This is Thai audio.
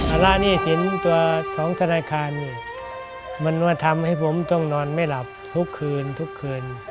ระราหนี้สินตัว๒ธนาคารนี่มันมาทำให้ผมต้องนอนไม่หลับทุกคืนทุกคืน